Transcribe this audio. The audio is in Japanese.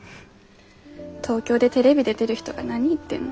東京でテレビ出てる人が何言ってんの。